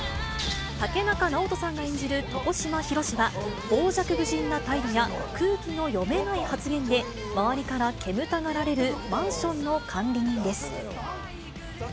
竹中直人さんが演じる床島比呂志は、傍若無人な態度や空気の読めない発言で、周りから煙たがられるマンションの管理人です。